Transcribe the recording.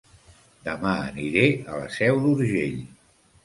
Dema aniré a La Seu d'Urgell